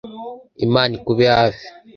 Imana Ikube hafi